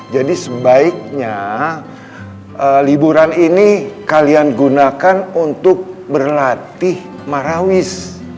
jadi sebaiknya liburan ini kalian gunakan untuk berlatih marawis